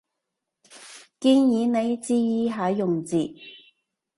建議你注意下用字